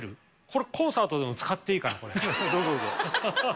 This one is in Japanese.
これ、コンサートでも使っていいどうぞ、どうぞ。